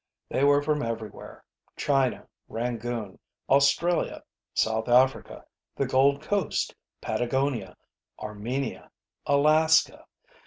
They were from everywhere China, Rangoon, Australia, South Africa, the Gold Coast, Patagonia, Armenia, Alaska.